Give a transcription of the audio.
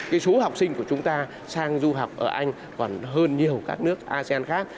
cái số học sinh của chúng ta sang du học ở anh còn hơn nhiều các nước asean khác